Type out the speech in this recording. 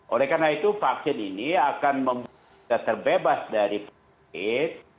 oleh karena itu vaksin ini akan membuat kita terbebas dari covid